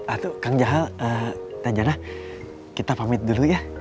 aduh kang jahal tanjana kita pamit dulu ya